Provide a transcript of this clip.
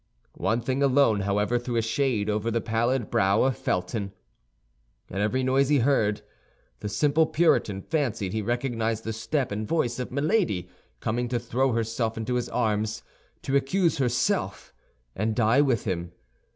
One thing alone, however, threw a shade over the pallid brow of Felton. At every noise he heard, the simple Puritan fancied he recognized the step and voice of Milady coming to throw herself into his arms, to accuse herself, and die with him.